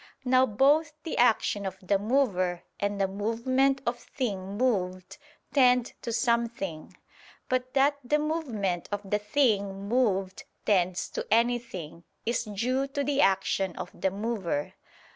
Now both the action of the mover and the movement of thing moved, tend to something. But that the movement of the thing moved tends to anything, is due to the action of the mover.